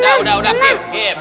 udah udah udah keep keep